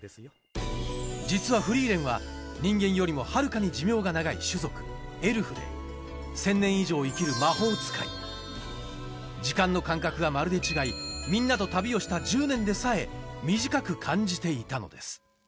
実はフリーレンは人間よりもはるかに寿命が長い種族エルフで時間の感覚がまるで違いみんなと旅をした１０年でさえ短く感じていたのです